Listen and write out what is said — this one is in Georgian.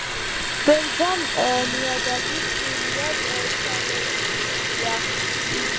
ბევრგან ნიადაგი სრულიად ჩამორეცხილია.